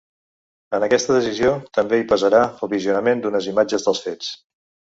En aquesta decisió també hi pesarà el visionament d’unes imatges dels fets.